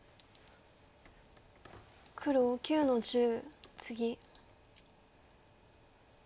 黒９の十ツギ。